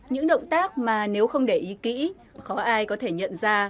những động tác mà nếu không để ý kỹ khó ai có thể nhận ra